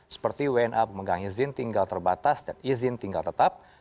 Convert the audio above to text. seperti wna pemegang izin tinggal terbatas dan izin tinggal tetap